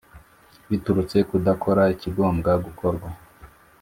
biturutse ku kudakora ikigomba gukorwa